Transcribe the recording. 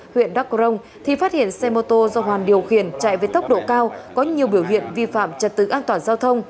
huyện đắk crong thì phát hiện xe mô tô do hoàn điều khiển chạy với tốc độ cao có nhiều biểu hiện vi phạm trật tự an toàn giao thông